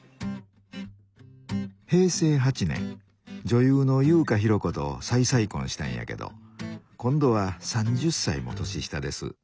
平成８年女優の勇家寛子と再々婚したんやけど今度は３０歳も年下です。